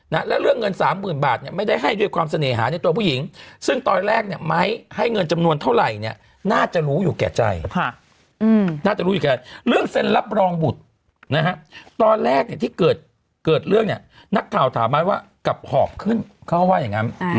เกิดเรื่องเนี่ยนักข่าวถามไม้ว่ากลับหอบขึ้นเขาก็ว่าอย่างนั้น